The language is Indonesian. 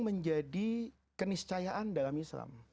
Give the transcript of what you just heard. menjadi keniscayaan dalam islam